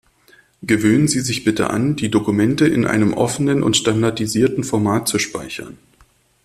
Gewöhnen Sie sich bitte an, die Dokumente in einem offenen und standardisierten Format zu speichern.